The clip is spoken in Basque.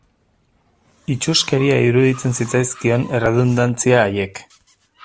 Itsuskeria iruditzen zitzaizkion erredundantzia haiek.